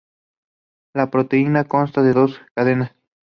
La proteína consta de dos cadenas.